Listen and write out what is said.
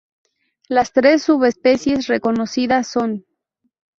Las tres subespecies reconocidas son.